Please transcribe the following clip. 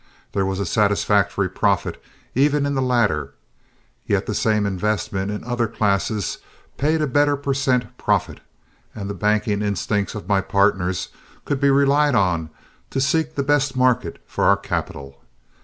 There was a satisfactory profit even in the latter, yet the same investment in other classes paid a better per cent profit, and the banking instincts of my partners could be relied on to seek the best market for our capital.